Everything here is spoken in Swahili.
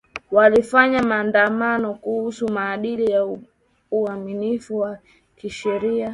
walifanya maandamano kuhusu maadili na uaminifu wa kisheria